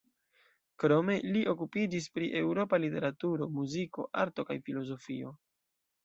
Krome li okupiĝis pri eŭropa literaturo, muziko, arto kaj filozofio.